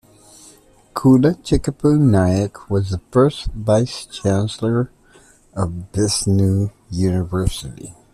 Kullal Chickappu Naik was the first Vice Chancellor of this new university.